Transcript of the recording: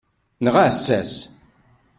Neɣ aɛessas.